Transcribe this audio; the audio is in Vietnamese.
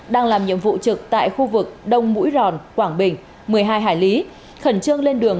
đang làm nhiệm vụ trực tại khu vực đông mũi ròn quảng bình một mươi hai hải lý khẩn trương lên đường